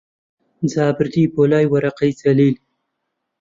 جا بردی بۆلای وەرەقەی جەلیل